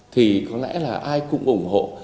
thì có lẽ là ai cũng ủng hộ